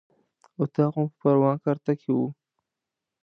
اطاق مو په پروان کارته کې و.